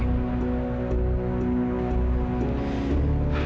aku secara pribadi gak masalah